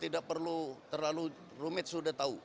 tidak perlu terlalu rumit sudah tahu